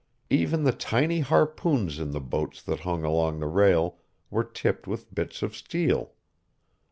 Even the tiny harpoons in the boats that hung along the rail were tipped with bits of steel....